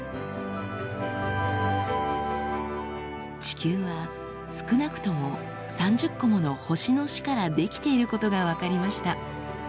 地球は少なくとも３０個もの星の死から出来ていることが分かりました。